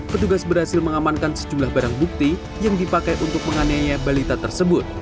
petugas berhasil mengamankan sejumlah barang bukti yang dipakai untuk menganiaya balita tersebut